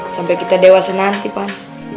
sampai kita dewasa nanti pak